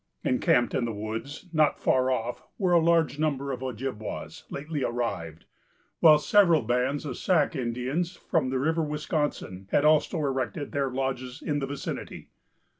Encamped in the woods, not far off, were a large number of Ojibwas, lately arrived; while several bands of the Sac Indians, from the River Wisconsin, had also erected their lodges in the vicinity.